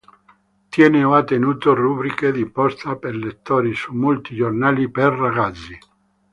Tiene o ha tenuto rubriche di posta per lettori su molti giornali per ragazzi.